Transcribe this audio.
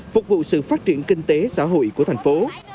phục vụ sự phát triển kinh tế xã hội của thành phố